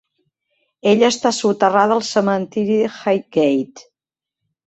Ella està soterrada al cementiri Highgate.